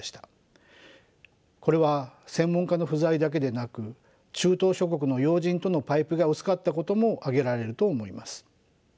これは専門家の不在だけでなく中東諸国の要人とのパイプが薄かったことも挙げられると思います。